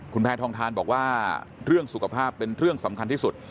คุณแพทองทานบอกว่าเรื่องสุขภาพเป็นเรื่องสำคัญที่สุด